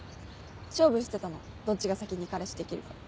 勝負してたのどっちが先に彼氏できるか。